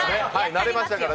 慣れましたから。